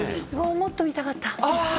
もっと見たかった！